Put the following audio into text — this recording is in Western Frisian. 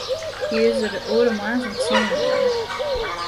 Hy is der de oare moarns om tsien oere.